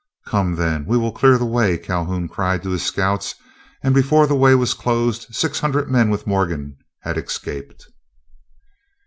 "Come, then, we will clear the way," Calhoun cried to his scouts, and before the way was closed, six hundred men with Morgan had escaped.